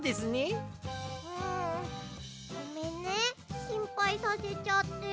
うんごめんねしんぱいさせちゃって。